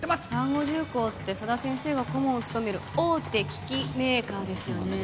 ご重工って佐田先生が顧問を務める大手機器メーカーですよねえ？